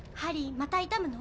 また痛むの？